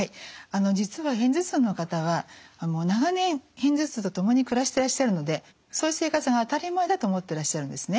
実は片頭痛の方は長年片頭痛とともに暮らしてらっしゃるのでそういう生活が当たり前だと思ってらっしゃるんですね。